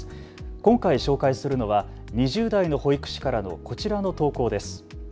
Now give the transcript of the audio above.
今回、紹介するのは２０代の保育士からのこちらの投稿です。